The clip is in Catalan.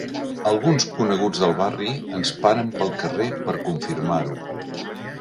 Alguns coneguts del barri ens paren pel carrer per confirmar-ho.